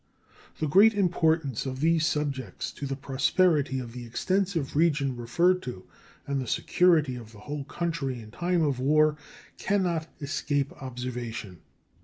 The great importance of these subjects to the prosperity of the extensive region referred to and the security of the whole country in time of war can not escape observation.